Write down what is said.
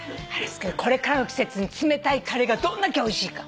これからの季節に冷たいカレーがどんだけおいしいか。